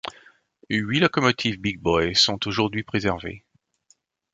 Huit locomotives Big Boy sont aujourd'hui préservées.